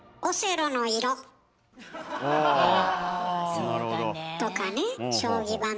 そうだね。とかね将棋盤とかね。